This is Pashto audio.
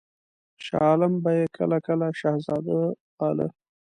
شاه عالم به یې کله کله شهزاده باله.